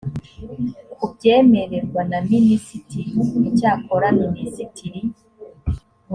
kubyemererwa na minisitiri icyakora minisitiri